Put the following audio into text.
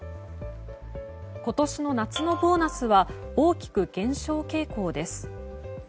今年の夏のボーナスは大きく減少傾向です。